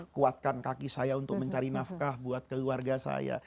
kuatkan kaki saya untuk mencari nafkah buat keluarga saya